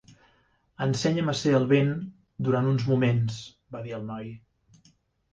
"Ensenya'm a ser el vent durant uns moments", va dir el noi.